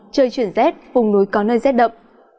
trời chuyển rét vùng núi có nơi rét đậm